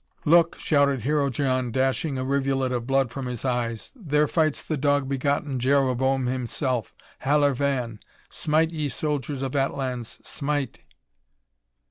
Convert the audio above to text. "Look!" shouted Hero John, dashing a rivulet of blood from his eyes, "there fights the dog begotten Jereboam himself! Halor vàn! Smite, ye soldiers of Atlans! Smite!"